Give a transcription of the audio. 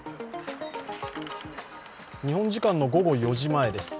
日本時間の午後４時前です。